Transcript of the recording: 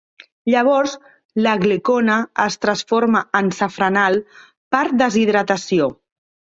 Llavors l'aglicona es transforma en safranal per deshidratació.